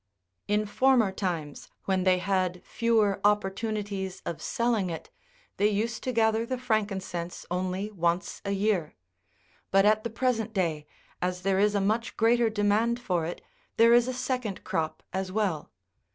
In former times, when they had fewer opportunities of selling it, they used to gather the frankincense only once a year ; but at the present day, as there is a much greater de mand for it, there is a second crop as well.